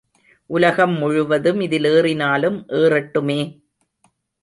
உலகம் முழுவதும் இதில் ஏறினாலும் ஏறட்டுமே!